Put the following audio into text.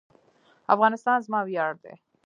افغانستان زما ویاړ دی